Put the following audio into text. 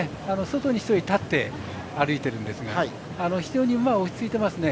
外に１人立って歩いてるんですが非常に馬は落ち着いていますね。